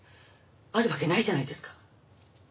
あるわけないじゃないですか。